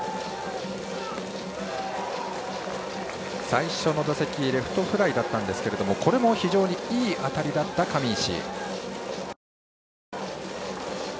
最初の打席はレフトフライだったんですがこれも非常にいい当たりだった上石。